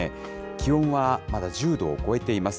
気温はまだ１０度を超えています。